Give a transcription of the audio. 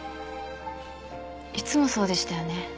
いつもそうでしたよね。